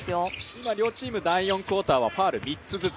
今、両チーム第４クオーターはファウル３つずつ。